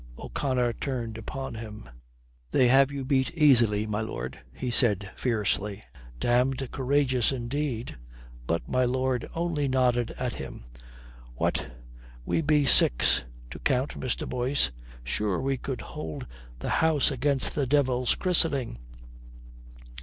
O'Connor turned upon him. "They have you beat easily, my lord," he said fiercely. "Damned courageous indeed." But my lord only nodded at him. "What, we be six to count Mr. Boyce. Sure, we could hold the house against the devil's christening."